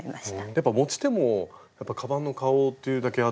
やっぱ持ち手もカバンの顔というだけあって。